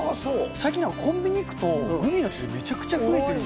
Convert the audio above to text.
最近、なんかコンビニ行くと、グミの種類めちゃくちゃ増えてる